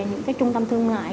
những trung tâm thương mại